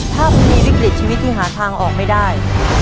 ถ้าคุณมีวิกฤตชีวิตที่หาทางออกไม่ได้